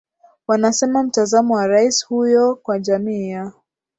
wanasema mtazamo wa rais huyo kwa jamii ya